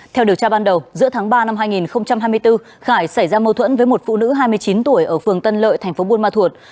theo điều tra ban đầu giữa tháng ba năm hai nghìn hai mươi bốn khải xảy ra mâu thuẫn với một phụ nữ hai mươi chín tuổi ở phường tân lợi tp bunma thuật